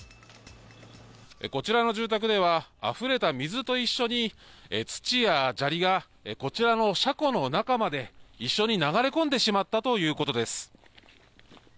こちらの住宅では、あふれた水と一緒に、土や砂利がこちらの車庫の中まで一緒に流れ込んでしまったということです。